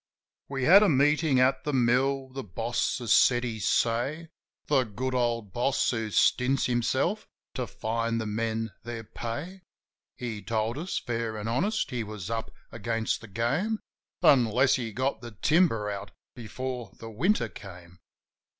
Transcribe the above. We'd had a meetin' at the mill ; the boss had said his say — The good old boss, who stints himself to find the men their pay — He told us, fair an' honest, he was up against the game Unless he got the timber out before the Winter came.